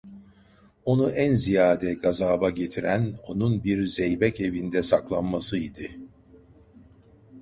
Onu en ziyade gazaba getiren, onun bir zeybek evinde saklanması idi!